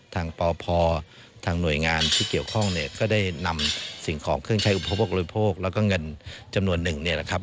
ปพทางหน่วยงานที่เกี่ยวข้องเนี่ยก็ได้นำสิ่งของเครื่องใช้อุปโภคบริโภคแล้วก็เงินจำนวนหนึ่งเนี่ยนะครับ